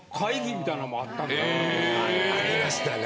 ありましたね。